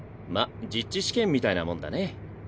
まっ実地試験みたいなもんだね。